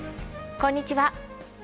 こんにちは。